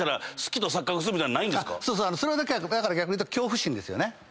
それはだから逆に言うと恐怖心ですよね。